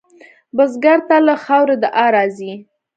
بزګر ته له خاورې دعا راځي